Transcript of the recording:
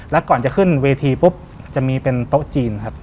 แล้วก่อนจะขึ้นเวทีปุ๊บจะมีเป็นโต๊ะจีนครับ